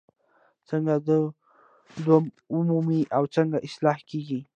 څنګه دوام ومومي او څنګه اصلاح کیږي؟